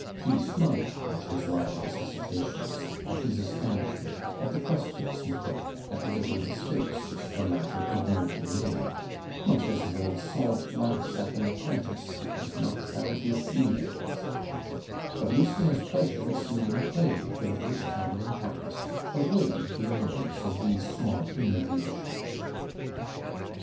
He smiled at his rival's hesitations, at his astonishment, at the questions he put, at the little mistakes which the latter ignorantly made, much as an old salt laughs at an apprentice who has not found his sea legs; but Lucien's pleasure at seeing a play for the first time in Paris outweighed the annoyance of these small humiliations.